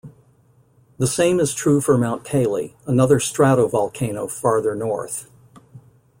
The same is true for Mount Cayley, another stratovolcano farther north.